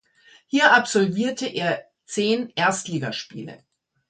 Hier absolvierte er zehn Erstligaspiele.